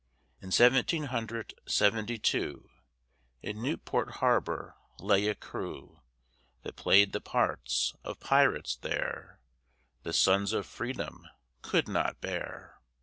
In seventeen hundred seventy two, In Newport harbor lay a crew That play'd the parts of pirates there, The sons of Freedom could not bear.